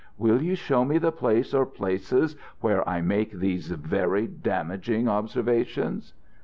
"Will you show me the place or places where I make these very damaging observations?"